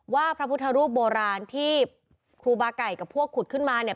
พระพุทธรูปโบราณที่ครูบาไก่กับพวกขุดขึ้นมาเนี่ย